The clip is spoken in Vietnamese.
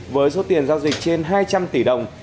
với số tiền giao dịch trên hai trăm linh tỷ đồng